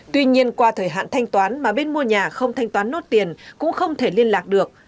tuy nhiên qua thời hạn thanh toán mà bên mua nhà không thanh toán nốt tiền cũng không thể liên lạc được